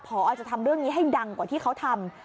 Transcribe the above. พอจะทำเรื่องนี้ให้ดังกว่าที่เขาทำ